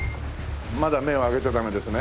まだ目を開けちゃダメですね？